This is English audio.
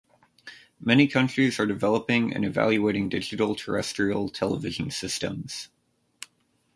Many countries are developing and evaluating digital terrestrial television systems.